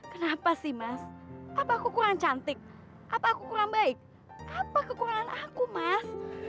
kenapa sih mas apa aku kurang cantik apa aku kurang baik apa kekurangan aku mas